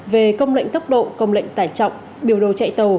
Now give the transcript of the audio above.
về công lệnh tốc độ công lệnh tải trọng biểu đồ chạy tàu